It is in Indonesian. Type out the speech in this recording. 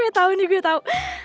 gue tau nih gue tau